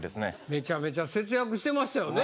めちゃめちゃ節約してましたよね。